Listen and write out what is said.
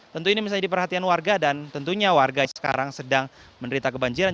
tentu ini menjadi perhatian warga dan tentunya warga yang sekarang sedang menderita kebanjiran